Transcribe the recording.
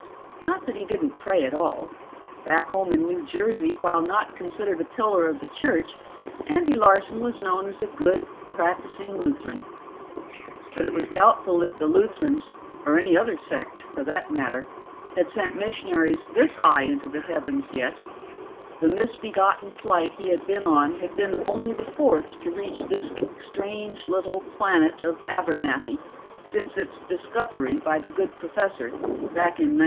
Not that he didn't pray at all; back home in New Jersey, while not considered a pillar of the church, Andy Larson was known as a good, practicing Lutheran. But it was doubtful if the Lutherans, or any other sect for that matter, had sent missionaries this high into the heavens yet; the misbegotten flight he had been on had been only the fourth to reach this strange little planet of Abernathy since its discovery by the good professor back in '92.